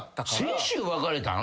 先週別れたん？